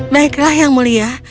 baiklah yang mulia